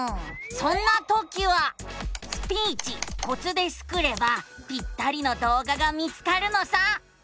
そんなときは「スピーチコツ」でスクればぴったりの動画が見つかるのさ。